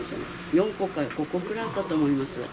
４個か５個くらいあったと思います。